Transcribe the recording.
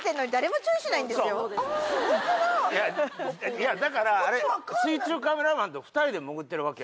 いやだからあれ水中カメラマンと２人で潜ってるわけやん。